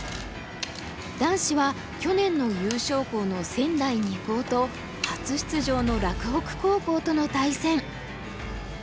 男子は去年の優勝校の仙台二高と初出場の洛北高校との対戦。